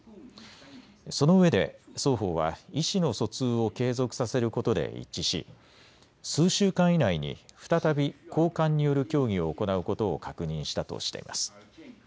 そのうえで双方は意思の疎通を継続させることで一致し数週間以内に再び高官による協議を行うことを確認したとしています。